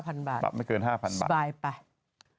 ๕๐๐๐บาทสบายไปปรับไม่เกิน๕๐๐๐บาท